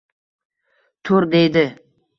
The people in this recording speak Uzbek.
Tur! — deydi. —